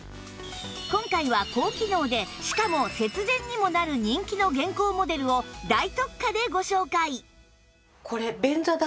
今回は高機能でしかも節電にもなる人気の現行モデルを大特価でご紹介